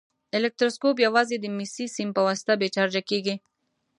الکتروسکوپ یوازې د مسي سیم په واسطه بې چارجه کیږي.